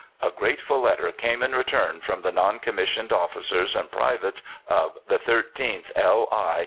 A grateful letter came in return from the non commissioned officers and privates of the 13th L.I.